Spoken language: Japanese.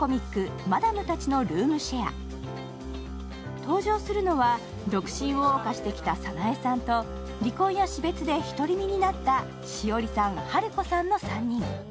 登場するのは独身をおう歌してきた沙苗さんと、離婚や死別でひとり身になった栞さん、晴子さんの３人。